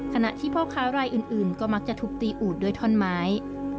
ขณะที่พ่อค้ารายอื่นก็มักจะถูกตีอูดด้วยท่อนไม้